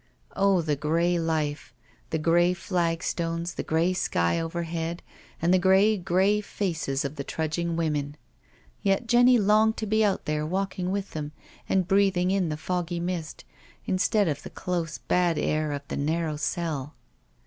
Oh, the grey life I the grey flagstones, the grey sky over head, and the grey, grey faces of the trudging women t Yet Jenny longed to be out there walking with thent and breadiing in the foggy mist, instead of the close bad air of the narrow cell.